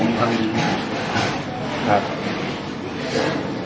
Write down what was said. ผมคิดแบบนี้นะครับ